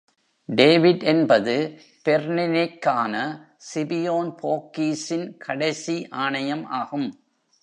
"David" என்பது, பெர்னினிக்கான Scipione போர்கீஸின் கடைசி ஆணையம் ஆகும்.